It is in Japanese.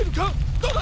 どうだ？